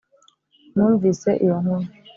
numvise iyo nkuru,